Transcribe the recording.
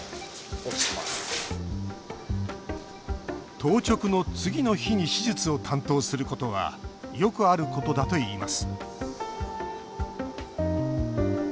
当直の次の日に手術を担当することはよくあることだといいます。